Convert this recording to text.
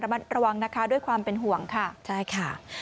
มัดระวังนะคะด้วยความเป็นห่วงค่ะใช่ค่ะ